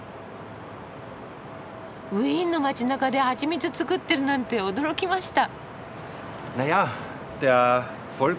ウィーンの街なかでハチミツ作ってるなんて驚きました。